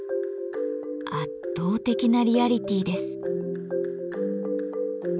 圧倒的なリアリティーです。